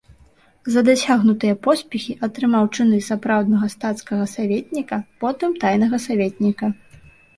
За дасягнутыя поспехі атрымаў чыны сапраўднага стацкага саветніка, потым тайнага саветніка.